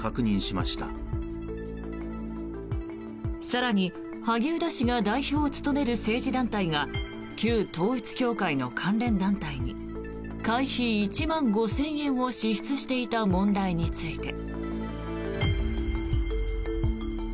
更に、萩生田氏が代表を務める政治団体が旧統一教会の関連団体に会費１万５０００円を支出していた問題について。